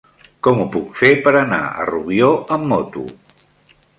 Com ho puc fer per anar a Rubió amb moto?